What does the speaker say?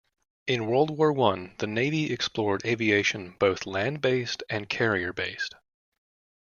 In World War One the Navy explored aviation, both land-based and carrier based.